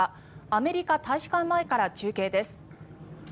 アメリカ大使館前から中継です。